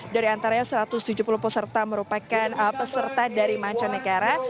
dari antaranya satu ratus tujuh puluh peserta merupakan peserta dari mancanegara